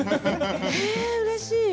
うれしい。